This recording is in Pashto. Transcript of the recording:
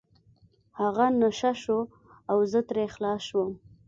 هغه نشه شو او زه ترې خلاص شوم.